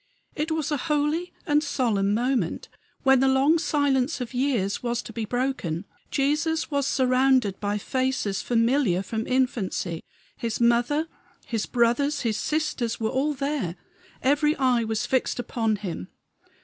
It was a holy and solemn moment, when the long silence of years was to be broken. Jesus was surrounded by faces familiar from infancy. His mother, his brothers, his sisters, were all there; every eye was fixed upon him.